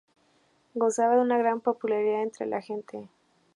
Gozaba de una gran popularidad entre la gente.